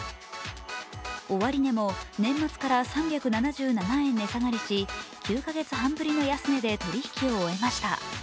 終値も年末から３７７円値下がりし、９か月半ぶりの安値で取引を終えました。